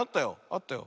あったよ。